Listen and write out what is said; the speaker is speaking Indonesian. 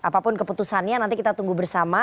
apapun keputusannya nanti kita tunggu bersama